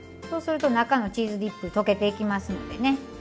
そうすると中のチーズディップ溶けていきますのでね